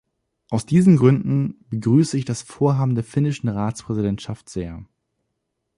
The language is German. Aus diesen Gründen begrüße ich das Vorhaben der finnischen Ratspräsidentschaft sehr.